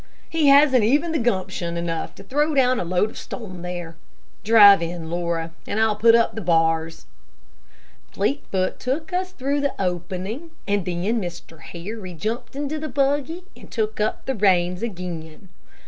"He hasn't even gumption enough to throw down a load of stone there. Drive in, Laura, and I'll put up the bars." Fleetfoot took us through the opening, and then Mr. Harry jumped into the buggy and took up the reins again.